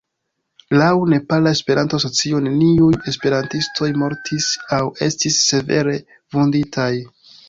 Laŭ Nepala Esperanto-Asocio neniuj esperantistoj mortis aŭ estis severe vunditaj.